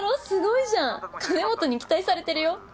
すごいじゃん金本に期待されてるよ